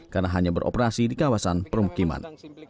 karena hanya beroperasi di kawasan perhukiman